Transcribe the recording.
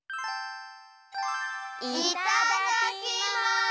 いただきます！